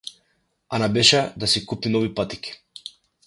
Ана беше да си купи нови патики.